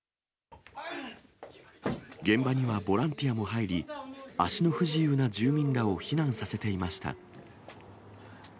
現場にはボランティアも入り、足の不自由な住民らを避難させていました。